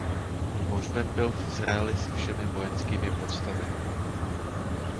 Pohřben byl v Izraeli se všemi vojenskými poctami.